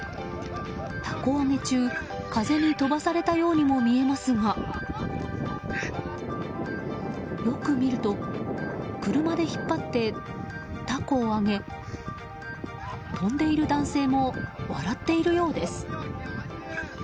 たこ揚げ中、風に飛ばされたようにも見えますがよく見ると車で引っ張って、たこを揚げ飛んでいる男性も笑っているようです。